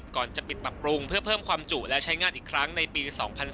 ก่อนจะปิดปรับปรุงเพื่อเพิ่มความจุและใช้งานอีกครั้งในปี๒๔